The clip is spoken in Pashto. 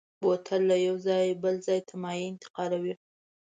بوتل له یو ځایه بل ته مایع انتقالوي.